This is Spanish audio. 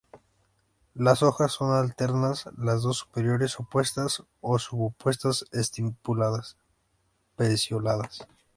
Las hojas son alternas, las dos superiores opuestas o subopuestas, estipuladas, pecioladas.